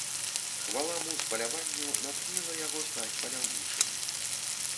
Хвала муз паляванню натхніла яго стаць паляўнічым.